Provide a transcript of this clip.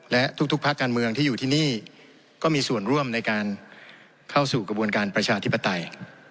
และทุกภาคการเมืองที่อยู่ที่นี่ก็มีส่วนร่วมในการเข้าสู่กระบวนการประชาธิปไตย